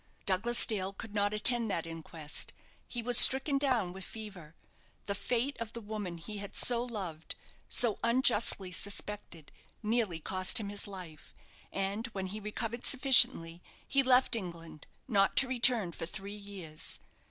Douglas Dale could not attend that inquest. He was stricken down with fever; the fate of the woman he had so loved, so unjustly suspected, nearly cost him his life, and when he recovered sufficiently, he left England, not to return for three years.